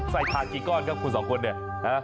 ถ่านกี่ก้อนครับคุณสองคนเนี่ย